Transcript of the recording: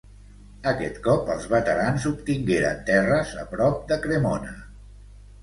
Aquest cop, els veterans obtingueren terres a prop de Cremona.